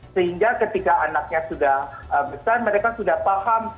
sehingga ketika anaknya sudah besar mereka sudah paham